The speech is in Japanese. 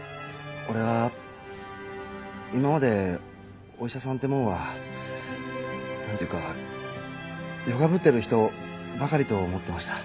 俺は今までお医者さんてもんは何て言うかよかぶってる人ばかりと思ってました。